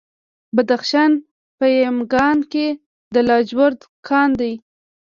د بدخشان په یمګان کې د لاجوردو کان دی.